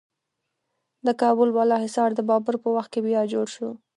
د کابل بالا حصار د بابر په وخت کې بیا جوړ شو